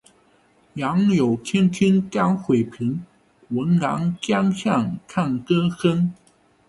杨柳青青江水平，闻郎江上唱歌声。